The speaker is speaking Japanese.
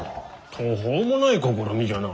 途方もない試みじゃな。